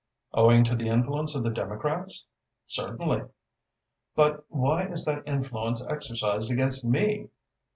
"Owing to the influence of the Democrats?" "Certainly." "But why is that influence exercised against me?"